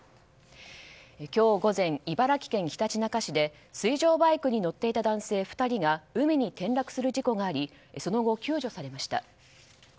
今日午前、茨城県ひたちなか市で水上バイクに乗っていた男性２人が海に転落する事故がありその後、救助されました。